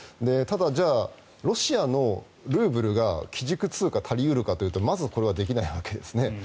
ただ、じゃあロシアのルーブルが基軸通貨たり得るかというとまずこれはできないわけです。